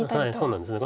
そうなんです。